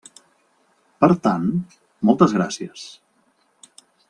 Per tant, moltes gràcies.